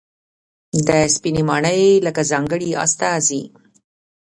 د سپینې ماڼۍ له ځانګړې استازي